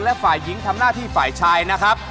และฝ่ายหญิงทำหน้าที่ฝ่ายชายนะครับ